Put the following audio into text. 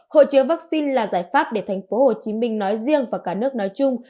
hộ chiếu vaccine là giải pháp để thành phố hồ chí minh nói riêng và cả nước nói chung